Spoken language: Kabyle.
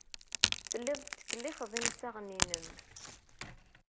Telliḍ tettkellixeḍ imsaɣen-nnem.